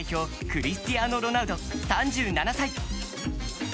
クリスティアーノ・ロナウド３７歳。